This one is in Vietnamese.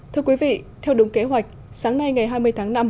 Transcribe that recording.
thưa quý vị theo đúng kế hoạch sáng nay ngày hai mươi tháng năm